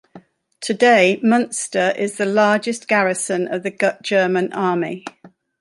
Today, Munster is the largest garrison of the German Army.